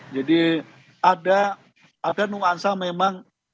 jadi ada nuansa memang